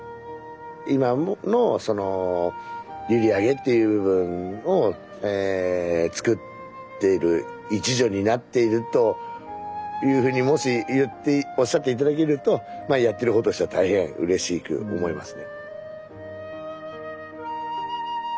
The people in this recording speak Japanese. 今のその閖上っていう部分を作ってる一助になっているというふうにもし言っておっしゃって頂けるとまあやってる方としては大変うれしく思いますね。